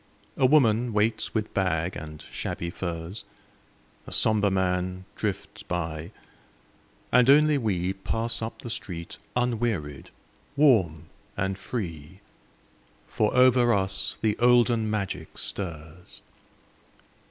A woman waits with bag and shabby furs, A somber man drifts by, and only we Pass up the street unwearied, warm and free, For over us the olden magic stirs.